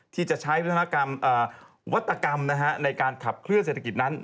ที่จะใช้วัตกรรมในการขับเคลื่อเศรษฐกิจนั้น